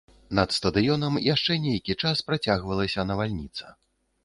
Над стадыёнам яшчэ нейкі час працягвалася навальніца.